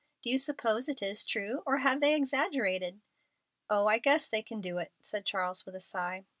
Do you suppose it is true, or have they exaggerated?" "Oh, I guess they can do it," said Charles, with a sigh.